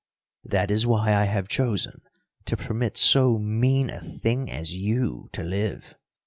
"That is why I have chosen, to permit so mean a thing as you to live.